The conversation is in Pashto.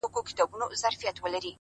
د سر قاتل پخلا کومه مصلحت کومه _